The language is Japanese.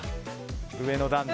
上の段の。